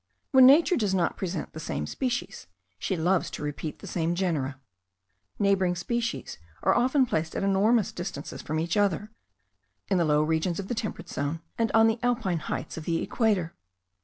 When nature does not present the same species, she loves to repeat the same genera. Neighbouring species are often placed at enormous distances from each other, in the low regions of the temperate zone, and on the alpine heights of the equator.